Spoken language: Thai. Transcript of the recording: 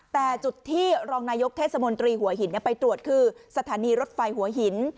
แต่จุดที่รองนายกเทศมนตรีหัวหินไปตรวจคือสถานีรถไฟหัวหิน